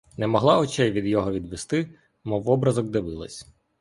Не могла очей від його відвести, мов в образок дивилась.